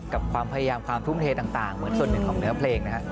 กับความพยายามความทุ่มเทต่างเหมือนส่วนหนึ่งของเนื้อเพลงนะครับ